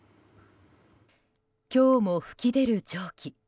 今日も噴き出る蒸気。